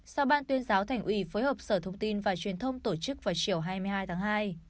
sau ban tuyên giáo thành ủy phối hợp sở thông tin và truyền thông tổ chức vào chiều hai mươi hai tháng hai